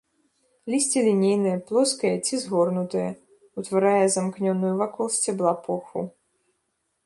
Лісце лінейнае, плоскае ці згорнутае, утварае замкнёную вакол сцябла похву.